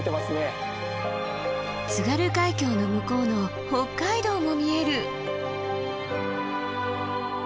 津軽海峡の向こうの北海道も見える！